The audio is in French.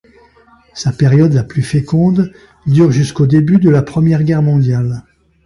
Sa période la plus féconde dure jusqu’au début de la Première Guerre mondiale.